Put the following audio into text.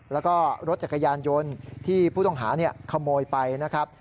แล้วก็รถจักรยานยนต์ที่ผู้ต้องหาขโมยไปนะครับ